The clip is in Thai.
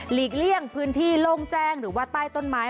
เลี่ยงพื้นที่โล่งแจ้งหรือว่าใต้ต้นไม้